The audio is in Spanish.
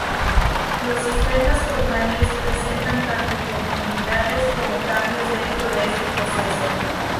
Los sistemas formales presentan tanto continuidades como cambios dentro de este proceso.